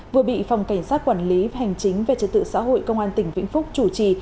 vừa bị phòng cảnh sát quản lý hành chính về trật tự xã hội công an tỉnh vĩnh phúc chủ trì